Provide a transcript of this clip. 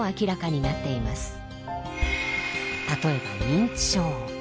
例えば認知症。